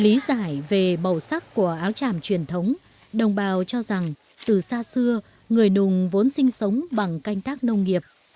lý giải về màu sắc của áo tràm truyền thống đồng bào cho rằng từ xa xưa người nùng vốn sinh sống bằng canh tác nông nghiệp